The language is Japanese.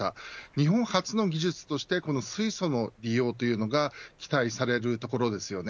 日本初の技術として水素の利用というのが期待されているところです。